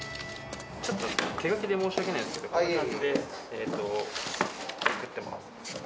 ちょっと手書きで申し訳ないんですけど、こんな感じで作ってます。